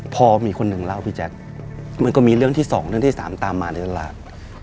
พอมีคนหนึ่งเล่าพี่แจ๊คมันก็มีเรื่องที่๒เรื่องที่๓ตามมาในตลาด